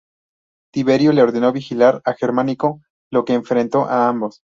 Tiberio le ordenó vigilar a Germánico, lo que enfrentó a ambos.